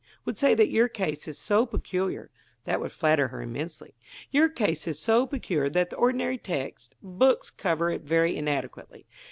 B., would say that your case is so peculiar' that would flatter her immensely 'your case is so peculiar that the ordinary text books cover it very inadequately.